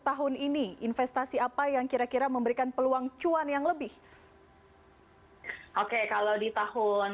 tahun ini investasi apa yang kira kira memberikan peluang cuan yang lebih oke kalau di tahun